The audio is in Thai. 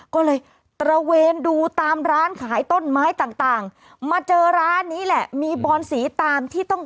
ก็เลยตระเวนดูตามร้านขายต้นไม้ต่าง